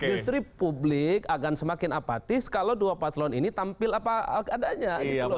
justru publik akan semakin apatis kalau dua pasukan ini tampil apa adanya